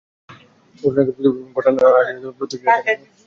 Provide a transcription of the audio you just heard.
ঘটনার আগে প্রতিক্রিয়া দেখানো ঠিক নয়।